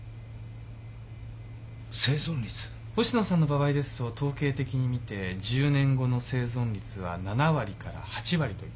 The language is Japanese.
星野さんの場合ですと統計的に見て１０年後の生存率は７割から８割といったところです。